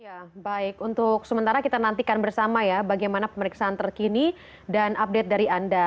ya baik untuk sementara kita nantikan bersama ya bagaimana pemeriksaan terkini dan update dari anda